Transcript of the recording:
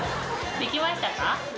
できましたか？